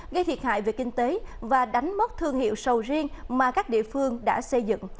gây thiệt hại về kinh tế và đánh mất thương hiệu sầu riêng mà các địa phương đã xây dựng